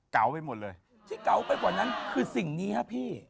ไปหมดเลยที่เก๋าไปกว่านั้นคือสิ่งนี้ครับพี่